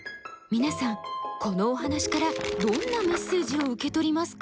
皆さんこのお話からどんなメッセージを受け取りますか？